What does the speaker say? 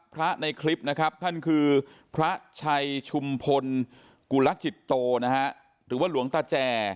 ในคลิปนะครับท่านคือพระชัยชุมพลกุลจิตโตนะฮะหรือว่าหลวงตาแจ